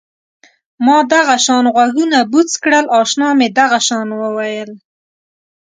ما دغه شان غوږونه بوڅ کړل اشنا مې دغه شان وویل.